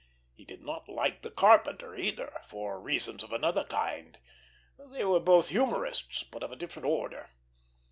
He did not like the carpenter, either, for reasons of another kind. They were both humorists, but of a different order.